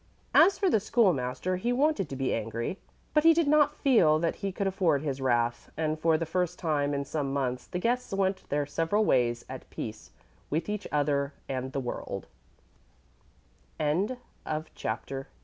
As for the School master, he wanted to be angry, but he did not feel that he could afford his wrath, and for the first time in some months the guests went their several ways at peace with each other an